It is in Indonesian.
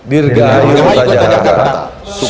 dirgayu untuk jakarta sukses jakarta untuk indonesia